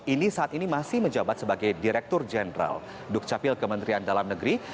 ini saat ini masih menjabat sebagai direktur jenderal dukcapil kementerian dalam negeri